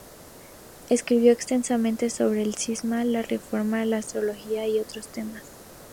Escribió extensamente sobre el Cisma, la reforma, la astrología y otros temas.